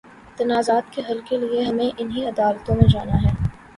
تنازعات کے حل کے لیے ہمیں انہی عدالتوں میں جانا ہے۔